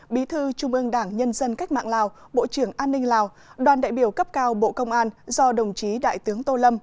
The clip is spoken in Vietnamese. bí thư trung ương đảng nhân dân cách mạng lào bộ trưởng an ninh lào đoàn đại biểu cấp cao bộ công an do đồng chí đại tướng tô lâm